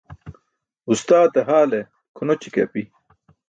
Uṣtaate haale kʰonoći ke api.